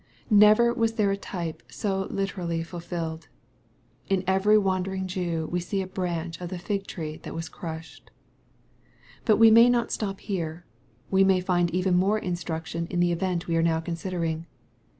Never was there a type so literally fulfilled. In every wandering Jew we see a branch of the fig tree that was crushed. But we may not stop here. We may find even more instruction in the event we are now considering.